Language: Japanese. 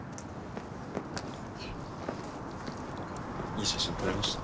いい写真撮れました？